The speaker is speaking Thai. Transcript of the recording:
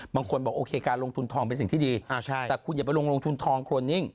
บางคนบอกโอเคการลงทุนทองเป็นสิ่งที่ดีแต่คุณอย่าไปลงทุนทองโครนิ่ง